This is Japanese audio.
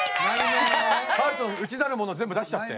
ハルトの内なるものぜんぶ出しちゃって。